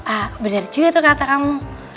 ah benar juga tuh kata kamu